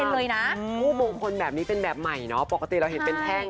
เป็นเลยนะทูบมงคลแบบนี้เป็นแบบใหม่เนาะปกติเราเห็นเป็นแท่ง